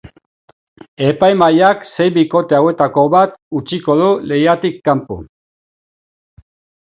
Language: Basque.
Epaimahaiak sei bikote hauetako bat utziko du lehiatik kanpo.